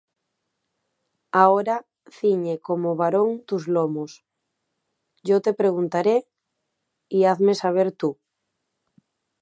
Ahora ciñe como varón tus lomos; Yo te preguntaré, y hazme saber tú.